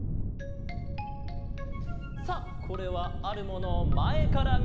さあこれはあるものをまえからみたかげだぞ。